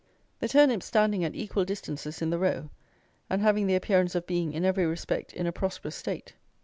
The turnips standing at equal distances in the row, and having the appearance of being, in every respect, in a prosperous state.